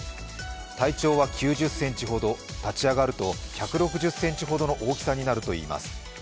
体長は９０ｃｍほど、立ち上がると１６０ｃｍほどの大きさになるといいます。